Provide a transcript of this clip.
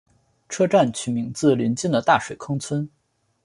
车站取名自邻近的大水坑村。